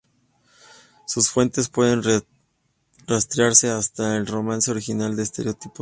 Sus fuentes pueden rastrearse hasta el romance original de estereotipo celta.